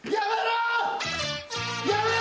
・やめろ！